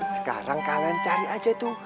sekarang kalian cari aja tuh